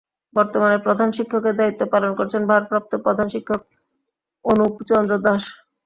বর্তমানে প্রধান শিক্ষকের দায়িত্ব পালন করছেন ভারপ্রাপ্ত প্রধান শিক্ষক অনুপ চন্দ্র দাস।